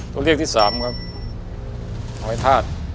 ตัวเลือกที่สามครับหอยธาตุ